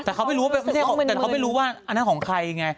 แต่เขาไม่รู้ว่าอันนั้นของใครไง